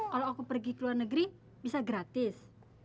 kalau aku pergi ke luar negeri bisa gratis